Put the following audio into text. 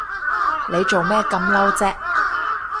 你做咩咁嬲啫？